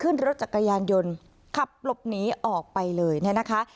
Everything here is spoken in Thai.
ขึ้นรถจากกระยานยนต์ขับปลบหนีออกไปเลยนะคะ